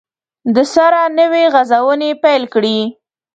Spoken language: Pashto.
دسره نوي غزونې پیل کړي